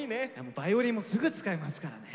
バイオリンもすぐ使えますからね。